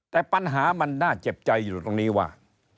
แต่ปัญหามันน่าเจ็บใจอยู่ตรงนี้ว่า